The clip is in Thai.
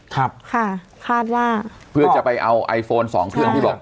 ครับค่ะคาดว่าเพื่อจะไปเอาไอโฟนสองเครื่องที่บอก